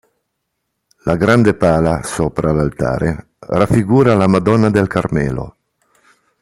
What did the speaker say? La grande pala, sopra l'altare, raffigura la Madonna del Carmelo.